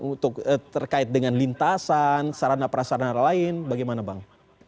untuk terkait dengan lintasan sarana prasarana lain bagaimana bang